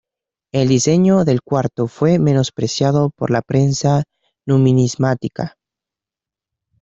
El diseño del cuarto fue menospreciado por la prensa numismática..